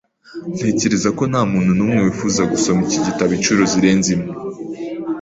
Ntekereza ko ntamuntu numwe wifuza gusoma iki gitabo inshuro zirenze imwe.